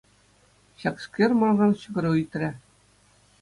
Ҫакскер манран ҫӑкӑр ыйтрӗ.